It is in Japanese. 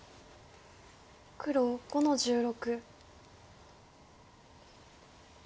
黒５の十六。